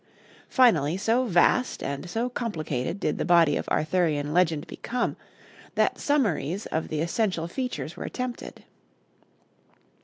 Finally, so vast and so complicated did the body of Arthurian legend become, that summaries of the essential features were attempted.